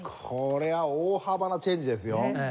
これは大幅なチェンジですよ！